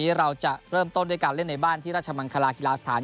วันนี้เราจะเริ่มต้นด้วยการเล่นในบ้านที่ราชมังคลากีฬาสถาน